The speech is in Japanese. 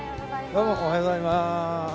どうもおはようございます。